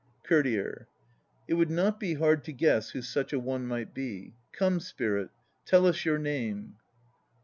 COURTIER. It would not be hard to guess who such a one might be. Come, spirit, tell us your name!